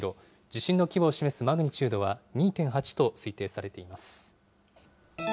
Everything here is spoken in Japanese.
地震の規模を示すマグニチュードは２．８と推定されています。